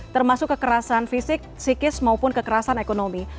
termasuk kekerasan fisik psikis maupun kekerasan ekonomi